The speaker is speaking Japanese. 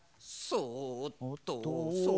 そうっとそうっと。